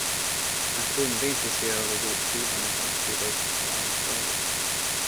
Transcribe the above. Han kunde inte se över bordskivan utan att kliva upp på armstödet.